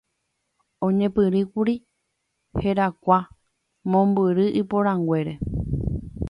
oñepyrũkuri herakuã mombyry iporãnguére